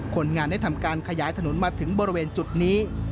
คนงานได้ทำการขยายถนนมาถึงบริเวณจุดนี้